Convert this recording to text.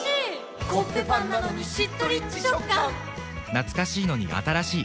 懐かしいのに新しい。